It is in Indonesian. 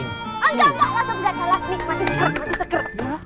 engga kok langsung gak calak nih masih sekrup masih sekrup